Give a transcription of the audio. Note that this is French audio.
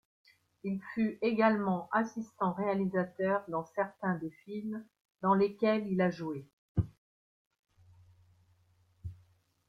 Il fut également assistant-réalisateur dans certains des films dans lesquels il a joué.